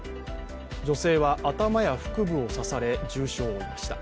女性は頭や腹部を刺され重傷を負いました。